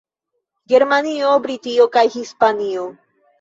Germanio, Britio kaj Hispanio.